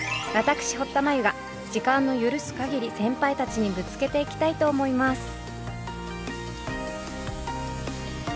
私堀田真由が時間の許す限り先輩たちにぶつけていきたいと思います。